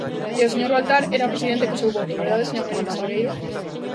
E o señor Baltar era presidente co seu voto, ¿verdade, señor Melide Salgueiro?